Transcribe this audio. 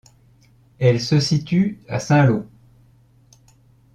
Elles se situent à Saint-Lô.